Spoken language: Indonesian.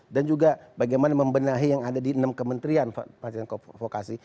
dan juga bagaimana membenahi yang ada di enam kementerian pelatihan vokasi